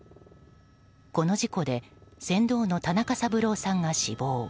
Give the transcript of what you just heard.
この事故で船頭の田中三郎さんが死亡。